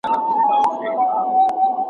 زما د عمرونو په خمار کي به نشه لګېږې ,